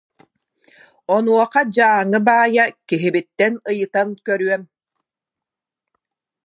Онуоха Дьааҥы баайа: «Киһибиттэн ыйытан көрүөм»